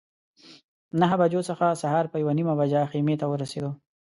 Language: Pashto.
نهه بجو څخه سهار په یوه نیمه بجه خیمې ته ورسېدو.